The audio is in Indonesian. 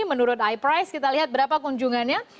menurut iprice kita lihat berapa kunjungannya